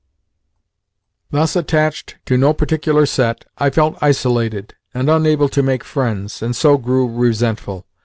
Thus, attached to no particular set, I felt isolated and unable to make friends, and so grew resentful.